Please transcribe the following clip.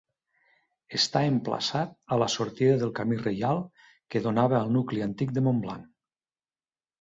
Està emplaçat a la sortida del Camí Reial que donava al nucli antic de Montblanc.